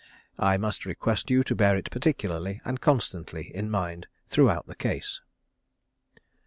I must request you to bear it particularly and constantly in mind throughout the case.